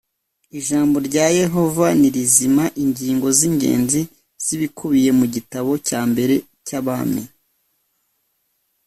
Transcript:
Ijambo rya yehova ni rizima ingingo z ingenzi z ibikubiye mu gitabo cya mbere cy abami